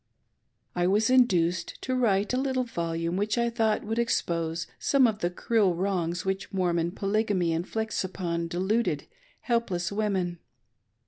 I was induced to write a little volume which I thought would expose some of the cruel wrongs which Mormon Polygamy inflicts upon deluded, help: less women.